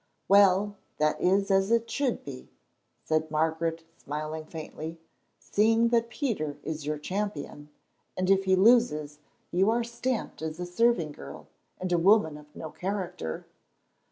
"Well, that is as it should be," said Margaret, smiling faintly, "seeing that Peter is your champion, and if he loses, you are stamped as a serving girl, and a woman of no character."